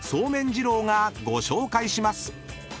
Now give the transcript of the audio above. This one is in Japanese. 二郎がご紹介します］